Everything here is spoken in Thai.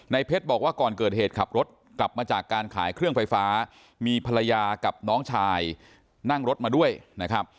เพชรบอกว่าก่อนเกิดเหตุขับรถกลับมาจากการขายเครื่องไฟฟ้ามีภรรยากับน้องชายนั่งรถมาด้วยนะครับ